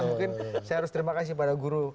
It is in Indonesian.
mungkin saya harus terima kasih pada guru